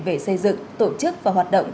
về xây dựng tổ chức và hoạt động